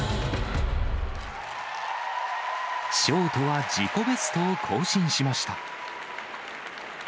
ショートは自己ベストを更新しました。